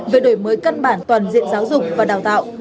về đổi mới căn bản toàn diện giáo dục và đào tạo